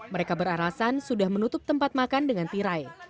mereka beralasan sudah menutup tempat makan dengan tirai